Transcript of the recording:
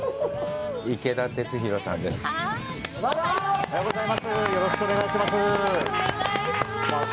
池田鉄洋さんです。